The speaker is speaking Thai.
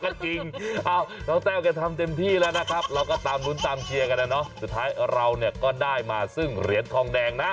ก็จริงน้องแต้วแกทำเต็มที่แล้วนะครับเราก็ตามลุ้นตามเชียร์กันนะเนาะสุดท้ายเราเนี่ยก็ได้มาซึ่งเหรียญทองแดงนะ